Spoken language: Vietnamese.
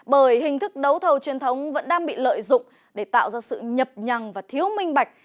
bởi hình thức đấu thầu truyền thống vẫn đang bị lợi dụng để tạo ra sự nhập nhằng và thiếu minh bạch